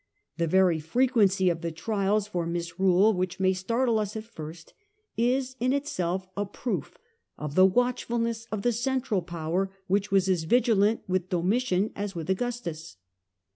The very frequency of the trials for misrule, which may startle us at first, is in itself a proof of the watchfulness of the central power, which was as vigilant with Domitian as with Augustus.